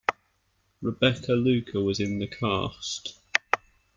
Rebecca Luker was in the cast.